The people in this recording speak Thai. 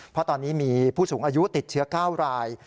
เพราะตอนนี้มีผู้สูงอายุติดเชื้อ๙ราย